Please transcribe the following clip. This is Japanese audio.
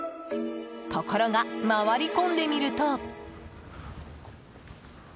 ところが回り込んでみると。